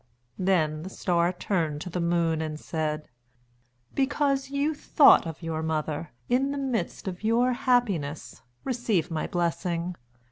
Then the Star turned to the Moon and said: "Because you thought of your mother, in the midst of your happiness, receive my blessing.